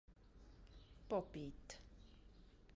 Pop It!